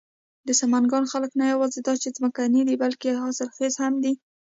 د سمنگان خلک نه یواځې دا چې ځمکني دي، بلکې حاصل خيز هم دي.